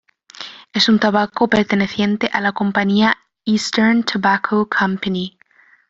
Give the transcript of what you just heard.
Es un tabaco perteneciente a la compañía Eastern Tobacco Company.